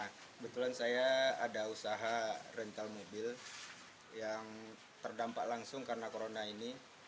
kebetulan saya ada usaha rental mobil yang terdampak langsung karena corona ini